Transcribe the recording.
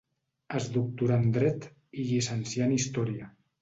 Es doctorà en Dret i llicencià en Història.